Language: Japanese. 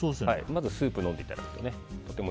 まずスープを飲んでいただいても。